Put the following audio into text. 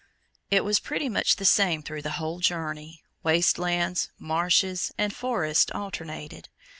It was pretty much the same through the whole journey, waste lands, marshes, and forests alternated.